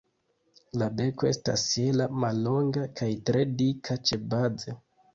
La beko estas hela, mallonga kaj tre dika ĉebaze.